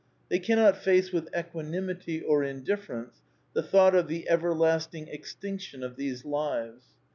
They cannot face with equanimity \ or indifference the thought of the everlasting extinction , of these lives.